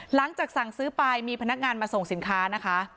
หลังจากสั่งซื้อไปมีพนักงานมาส่งสินค้านะคะ